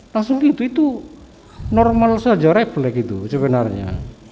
langsung itu itu normal saja reflek itu sebenarnya